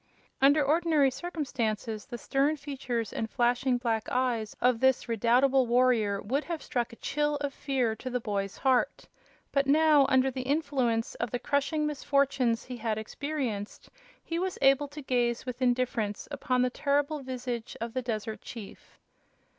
Under ordinary circumstances the stern features and flashing black eyes of this redoubtable warrior would have struck a chill of fear to the boy's heart; but now under the influence of the crushing misfortunes he had experienced, he was able to gaze with indifference upon the terrible visage of the desert chief.